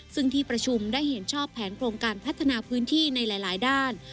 ซึ่งที่ประชุมได้เห็นชอบแผนโครงการพัฒนาพื้นที่ในหลายด้าน